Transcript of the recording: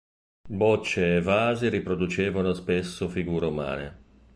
Bocce e vasi riproducevano spesso figure umane.